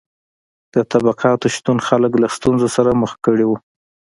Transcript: د طبقاتو شتون خلک له ستونزو سره مخ کړي وو.